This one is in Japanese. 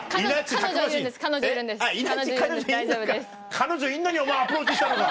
彼女いるのにお前アプローチしたのか。